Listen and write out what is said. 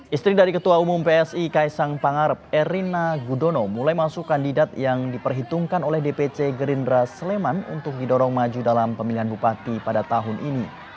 istri dari ketua umum psi kaisang pangarep erina gudono mulai masuk kandidat yang diperhitungkan oleh dpc gerindra sleman untuk didorong maju dalam pemilihan bupati pada tahun ini